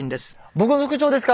僕の特徴ですか？